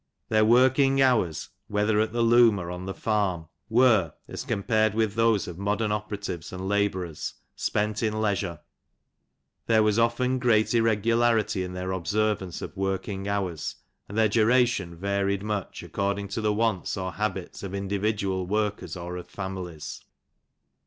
Their working hours, whether at the loom or on the form, were, as compared with those of modem operatives and labourers, spent in leisure. There was often great irregularity in their observance of working hours, and their duration varied much, according to the wants, or habits, of individual workers, or of families.